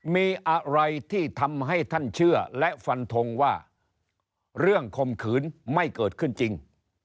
มีอะไรที่ทำให้ท่านเชื่อและฟันทงว่าเรื่องคมขืนไม่เกิดขึ้นจริง